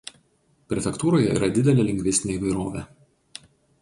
Prefektūroje yra didelė lingvistinė įvairovė.